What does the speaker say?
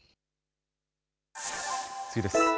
次です。